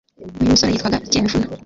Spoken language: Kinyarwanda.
uyu musore yitwaga ikemefuna